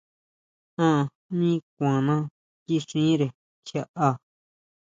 A mí kʼuaná kixire kjiaʼá.